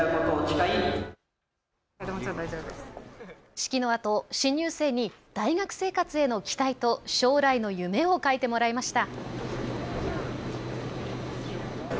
式のあと新入生に大学生活への期待と将来の夢を書いてもらいました。